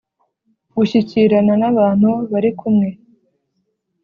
gushyikirana nabantu barikumwe